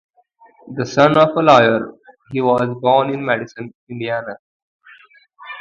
The son of a lawyer, he was born in Madison, Indiana.